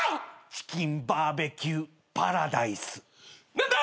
チキンバーベキューパラダイス。